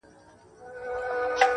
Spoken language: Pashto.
ځغلول يې موږكان تر كور او گوره،